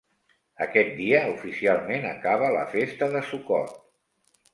Aquest dia oficialment acaba la festa de Sukkot.